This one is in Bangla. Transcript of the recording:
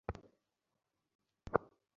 তার নাম কি তানভি?